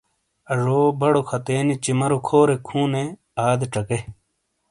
اجو بڑو کھَتنینی چِمرو کھورییک ہُوں نے، آدے چکے۔